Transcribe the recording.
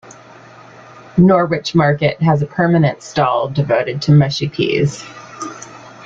Norwich Market has a permanent stall devoted to mushy peas.